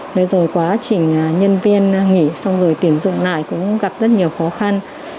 thế rồi quá trình nhân viên nghỉ xong rồi tuyển dụng lại cũng gặp rất nhiều khó khăn